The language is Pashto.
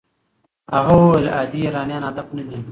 هغه وویل عادي ایرانیان هدف نه دي.